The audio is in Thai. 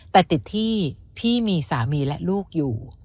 แต่ติดที่พี่มีสามีและลูกอยู่